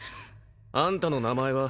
あんたの名前は？